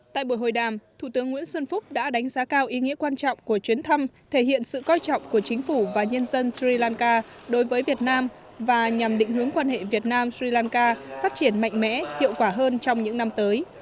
tại buổi hội đàm thủ tướng nguyễn xuân phúc đã đánh giá cao ý nghĩa quan trọng của chuyến thăm thể hiện sự coi trọng của chính phủ và nhân dân sri lanka đối với việt nam và nhằm định hướng quan hệ việt nam sri lanka phát triển mạnh mẽ hiệu quả hơn trong những năm tới